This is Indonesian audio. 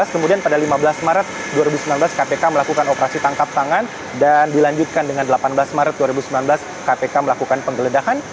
kemudian pada lima belas maret dua ribu sembilan belas kpk melakukan operasi tangkap tangan dan dilanjutkan dengan delapan belas maret dua ribu sembilan belas kpk melakukan penggeledahan